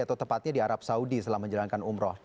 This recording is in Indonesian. atau tepatnya di arab saudi setelah menjalankan umroh